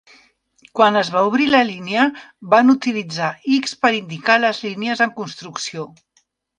Quan es va obrir la línia, van utilitzar X per indicar les línies en construcció.